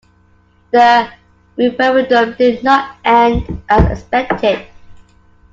The referendum did not end as expected.